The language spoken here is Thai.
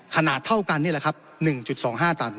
ขนาดเท่ากันนี่แหละครับ๑๒๕ตัน